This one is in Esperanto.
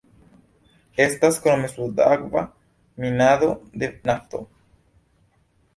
Estas krome subakva minado de nafto.